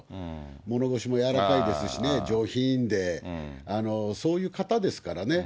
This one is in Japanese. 物腰も柔らかいですしね、上品で、そういう方ですからね。